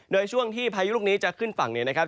โดยช่วงที่พายุลูกนี้จะขึ้นฝั่งเนี่ยนะครับ